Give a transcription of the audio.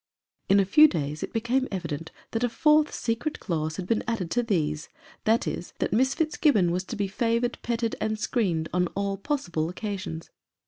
In a few days it became evident that a fourth secret clause had been added to these, viz., that Miss Fitzgibbon was to be favored, petted and screened on all possible occasions.